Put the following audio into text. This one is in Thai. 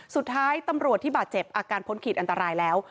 สุดท้ายตำรวจที่บาดเจ็บอาการพ้นขีดอันตรายแล้ว